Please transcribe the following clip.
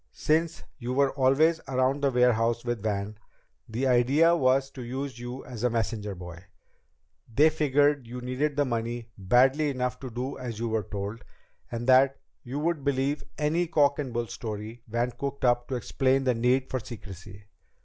Since you were always around the warehouse with Van, the idea was to use you as a messenger boy. They figured you needed the money badly enough to do as you were told, and that you would believe any cock and bull story Van cooked up to explain the need for secrecy.